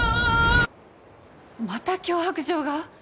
また脅迫状が！？